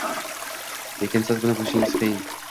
lekin siz buni bilishingiz qiyin.